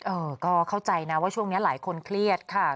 เออก็เข้าใจนะว่าช่วงนี้หลายคนเครียดค่ะ